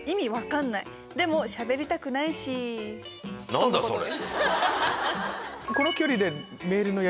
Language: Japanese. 何だ⁉それ。